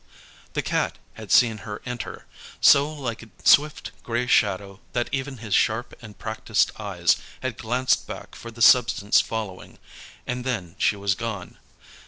The Cat had seen her enter, so like a swift grey shadow that even his sharp and practised eyes had glanced back for the substance following, and then she was gone.